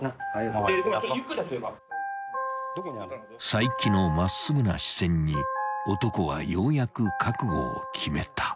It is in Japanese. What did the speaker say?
［齋木の真っすぐな視線に男はようやく覚悟を決めた］